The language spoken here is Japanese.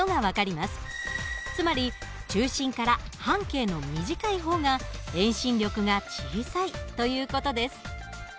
つまり中心から半径の短い方が遠心力が小さいという事です。